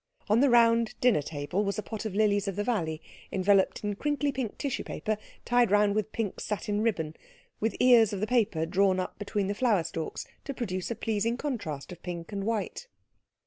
On the round dinner table was a pot of lilies of the valley, enveloped in crinkly pink tissue paper tied round with pink satin ribbon, with ears of the paper drawn up between the flower stalks to produce a pleasing contrast of pink and white.